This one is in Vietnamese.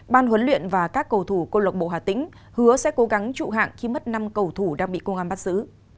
ban huấn luyện và các cầu thủ công lộc bộ hà tĩnh hứa sẽ cố gắng trụ hạng khi mất năm cầu thủ đang bị công an bắt giữ